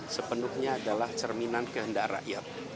sepenuhnya adalah cerminan kehendak rakyat